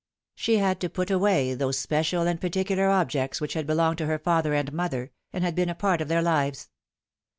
She had to put away those special and particular objects which had belonged to her father and mother, and had been a part of their lives.